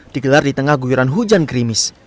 dikelar di tengah guyuran hujan krimis